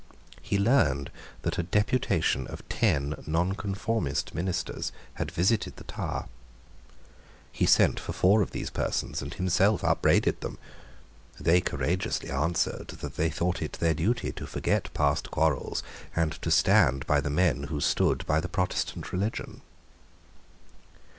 He learned that a deputation of ten Nonconformist ministers had visited the Tower. He sent for four of these persons, and himself upbraided them. They courageously answered that they thought it their duty to forget past quarrels, and to stand by the men who stood by the Protestant religion.